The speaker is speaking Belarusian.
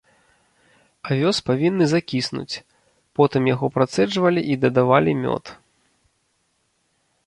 Авёс павінны закіснуць, потым яго працэджвалі і дадавалі мёд.